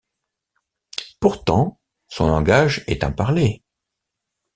Pourtant, son langage est un parler.